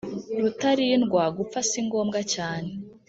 Rutalindwa gupfa si ngombwa cyane